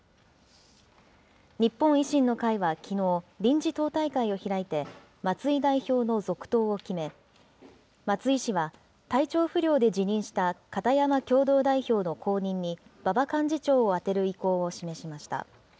日本維新の会はきのう、臨時党大会を開いて、松井代表の続投を決め、松井氏は、体調不良で辞任した片山共同代表の後任に、馬場幹事長を充てる意向を示しました。